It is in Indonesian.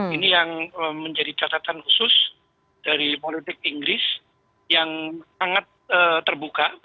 ini yang menjadi catatan khusus dari politik inggris yang sangat terbuka